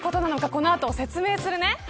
この後、説明するね。